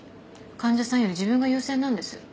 患者さんより自分が優先なんです。